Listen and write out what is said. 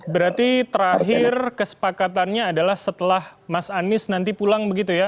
berarti terakhir kesepakatannya adalah setelah mas anies nanti pulang begitu ya